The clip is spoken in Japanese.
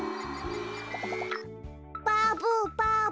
バブバブ。